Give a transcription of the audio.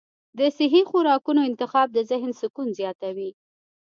د صحي خوراکونو انتخاب د ذهن سکون زیاتوي.